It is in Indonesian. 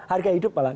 harga hidup malah